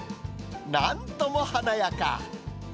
なんとも華やか。